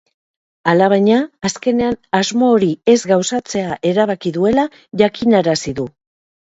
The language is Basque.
Alabaina, azkenean asmo hori ez gauzatzea erabaki duela jakinarazi du.